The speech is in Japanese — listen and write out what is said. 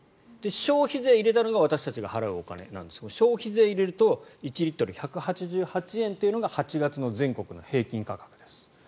消費税を入れたのが私たちが払うお金なんですが消費税を入れると１リットル１８８円というのが８月の全国の平均価格です。